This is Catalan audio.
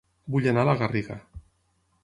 Vull anar a La Garriga